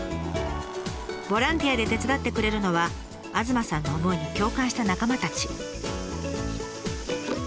ボランティアで手伝ってくれるのは東さんの思いに共感した仲間たち。